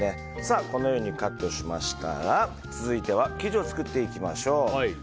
このようにカットしましたら続いては生地を作っていきましょう。